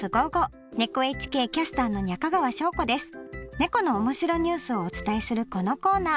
ねこの面白ニュースをお伝えするこのコーナー。